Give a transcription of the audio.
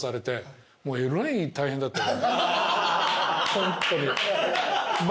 ホントに。